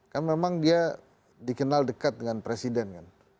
kan memang dia dikenal dekat dengan presiden kan